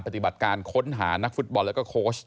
ปฏิบัติการค้นหานักฟุตบอลแล้วก็โค้ช